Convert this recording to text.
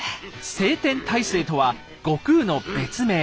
「斉天大聖」とは悟空の別名。